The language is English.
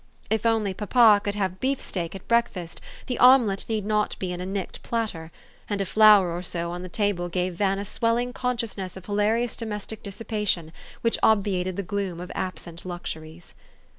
If only papa could have beefsteak at breakfast, the omelette need not be in a nicked platter ; and a flower or so on the table gave Van a swelling consciousness of hilarious domestic dissipa tion, which obviated the gloom of absent luxuries.